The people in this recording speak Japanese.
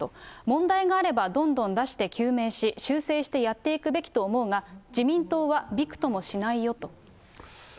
問題があればどんどん出して、究明し、修正してやっていくべきと思うが、自民党はびくともしないよと。